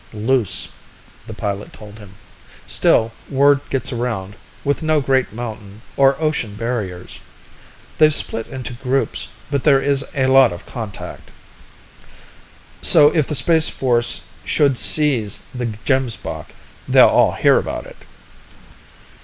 "Loose," the pilot told him. "Still, word gets around, with no great mountain or ocean barriers. They've split into groups, but there is a lot of contact." "So if the Space Force should seize the Gemsbok, they'll all hear about it?"